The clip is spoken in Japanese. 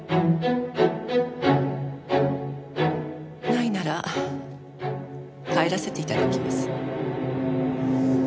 ないなら帰らせて頂きます。